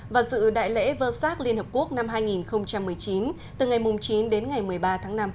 và dự đại lễ vơ sát liên hợp quốc năm hai nghìn một mươi chín từ ngày chín đến ngày một mươi ba tháng năm